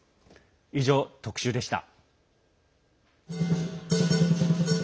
以上、特集でした。